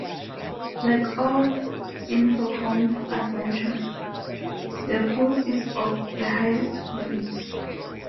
Like all Infocom adventures, the prose is of the highest quality.